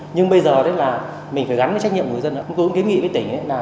nhưng bây giờ mình phải gắn trách nhiệm người dân cũng kiếm nghị với tỉnh